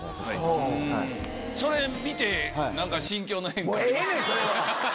それ見て。